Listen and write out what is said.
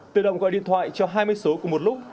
tự động gọi điện thoại cho hai mươi số cùng một lúc